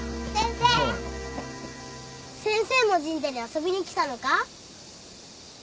先生も神社に遊びに来たのか？